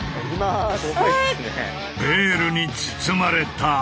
ベールに包まれた。